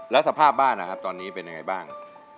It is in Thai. แล้วสภาพบ้านนะครับตอนนี้เป็นยังไงบ้าง